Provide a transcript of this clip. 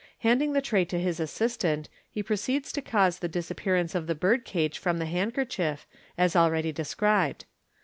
Handing the tray to his assistant, he proceeds to cause the disappearance of the birdcage from the handkerchief, as ahead) described.